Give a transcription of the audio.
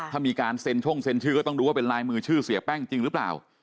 ถ้ามีการเซ็นช่องเซ็นชื่อก็ต้องดูว่าเป็นลายมือชื่อเสียแป้งจริงหรือเปล่า